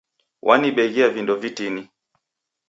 Wanibeghia vindo vitini.